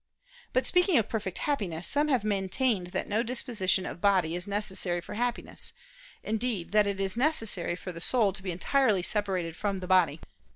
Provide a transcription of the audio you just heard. But speaking of perfect Happiness, some have maintained that no disposition of body is necessary for Happiness; indeed, that it is necessary for the soul to be entirely separated from the body.